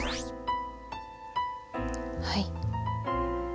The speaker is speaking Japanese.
はい。